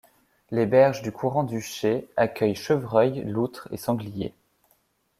Les berges du courant d'Huchet accueillent chevreuils, loutres et sangliers.